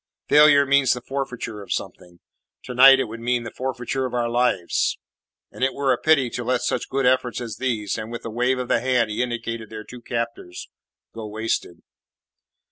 Failure means the forfeiture of something; tonight it would mean the forfeiture of our lives, and it were a pity to let such good efforts as these" and with a wave of the hand he indicated their two captors "go wasted."